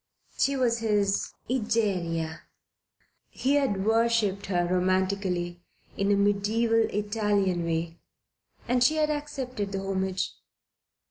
She was his Egeria. He had worshipped her romantically, in a mediaeval, Italian way, and she had accepted the homage.